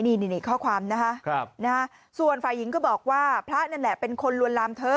นี่ข้อความนะคะส่วนฝ่ายหญิงก็บอกว่าพระนั่นแหละเป็นคนลวนลามเธอ